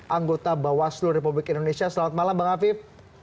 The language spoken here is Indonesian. anggota bawaslu republik indonesia selamat malam bang afif